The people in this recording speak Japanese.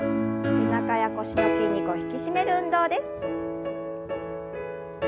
背中や腰の筋肉を引き締める運動です。